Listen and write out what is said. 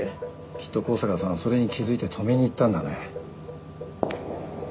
きっと香坂さんはそれに気付いて止めに行ったんだね。